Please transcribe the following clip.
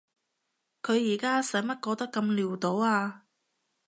佢而家使乜過得咁潦倒啊？